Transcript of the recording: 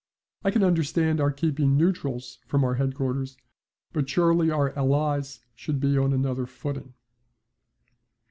I can understand our keeping neutrals from our headquarters, but surely our Allies should be on another footing.